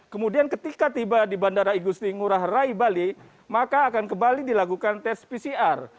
kemudian ketika tiba di bandara igusti ngurah rai bali maka akan kembali dilakukan tes pcr